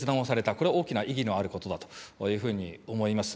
これ、大きな意義のあることだというふうに思います。